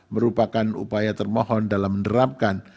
merupakan upaya termohon dalam menerapkan